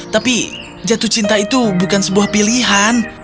tapi jatuh cinta itu bukan sebuah pilihan